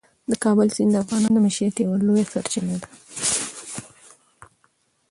د کابل سیند د افغانانو د معیشت یوه لویه سرچینه ده.